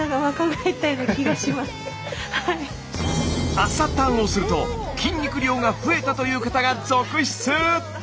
「朝たん」をすると筋肉量が増えたという方が続出！